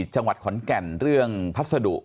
จังหวัดขอนแก่นเรื่องพัสดุ